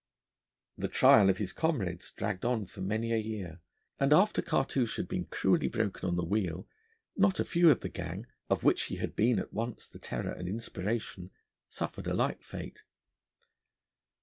The trial of his comrades dragged on for many a year, and after Cartouche had been cruelly broken on the wheel, not a few of the gang, of which he had been at once the terror and inspiration, suffered a like fate.